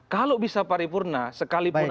kalau bisa pari purna sekalipun